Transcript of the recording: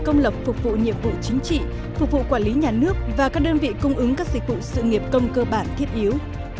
công lập phục vụ nhiệm vụ chính trị phục vụ quản lý nhà nước và các đơn vị cung ứng các dịch vụ sự nghiệp công cơ bản thiết yếu